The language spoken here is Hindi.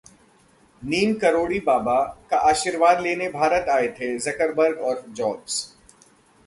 नीम करोड़ी बाबा का आशीर्वाद लेने भारत आए थे जकरबर्ग और जॉब्स